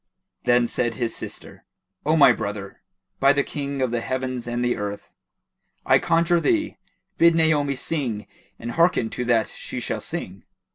Then said his sister, "O my brother, by the King of the heavens and the earth, I conjure thee, bid Naomi sing and hearken to that she shall sing!"